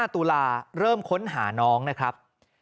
ตุลาเริ่มค้นหาน้องนะครับ